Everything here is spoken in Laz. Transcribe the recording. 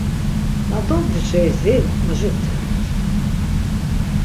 Na dobdvi şeis yeri mot mejuktirapt?